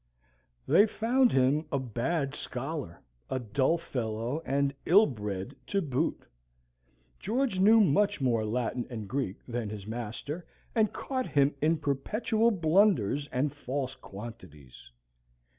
They found him a bad scholar, a dull fellow, and ill bred to boot. George knew much more Latin and Greek than his master, and caught him in perpetual blunders and false quantities.